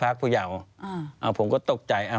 แล้วเขาสร้างเองว่าห้ามเข้าใกล้ลูก